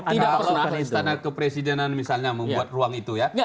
kalau keistanaan kepresidenan misalnya membuat ruang itu ya